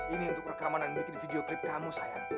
ini untuk rekaman dan bikin videoclip kamu sayang